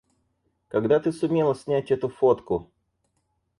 Когда ты сумела снять эту фотку?